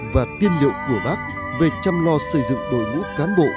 và tiên liệu của bác về chăm lo xây dựng đội ngũ cán bộ